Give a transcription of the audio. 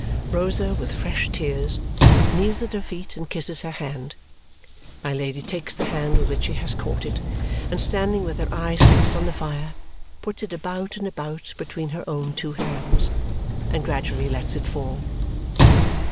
Rosa, with fresh tears, kneels at her feet and kisses her hand. My Lady takes the hand with which she has caught it, and standing with her eyes fixed on the fire, puts it about and about between her own two hands, and gradually lets it fall.